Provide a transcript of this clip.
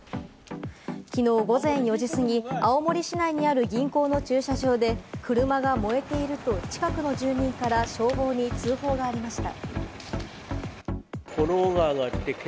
きのう午前４時過ぎ、青森市内にある銀行の駐車場で、車が燃えていると、近くの住民から消防に通報がありました。